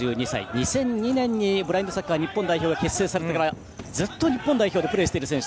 ２００２年にブラインドサッカー日本代表が結成されてからずっと日本代表でプレーしている選手。